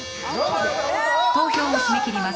投票を締め切ります。